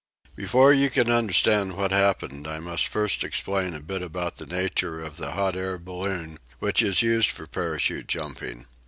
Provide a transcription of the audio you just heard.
Before you can understand what happened, I must first explain a bit about the nature of the hot air balloon which is used for parachute jumping.